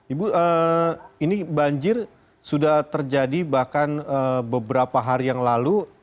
ibu ini banjir sudah terjadi bahkan beberapa hari yang lalu